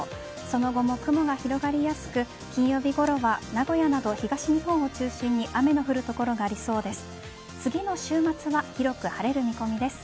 その後も雲が広がりやすく金曜日ごろは名古屋など東日本を中心に雨の降る所がありそうです。